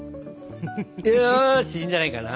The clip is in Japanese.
よしいいんじゃないかな。